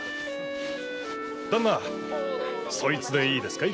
ダンナそいつでいいですかい？